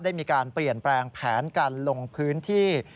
ได้มีการเปลี่ยนแปลงแผนการลงพื้นที่